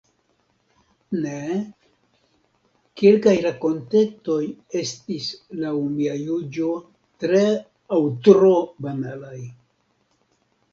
Ne, kelkaj rakontetoj estis laŭ mia juĝo tre aŭ tro banalaj.